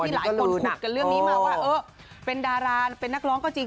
หลายคนขุดกันเรื่องนี้มาว่าเออเป็นดาราเป็นนักร้องก็จริง